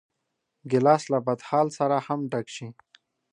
ګیلاس له بدحال سره هم ډک شي.